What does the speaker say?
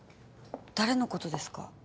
誰のことですか？